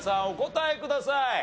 お答えください。